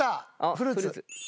フルーツ？